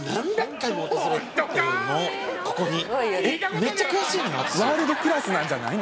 めっちゃ詳しいの。